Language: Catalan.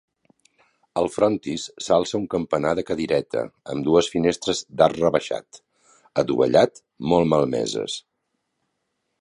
Al frontis s'alça un campanar de cadireta amb dues finestres d'arc rebaixat, adovellat, molt malmeses.